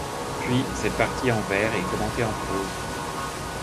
Puis, cette partie en vers est commentée en prose.